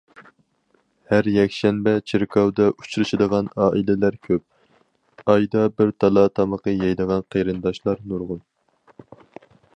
ھەر يەكشەنبە چېركاۋدا ئۇچرىشىدىغان ئائىلىلەر كۆپ، ئايدا بىر دالا تامىقى يەيدىغان قېرىنداشلار نۇرغۇن.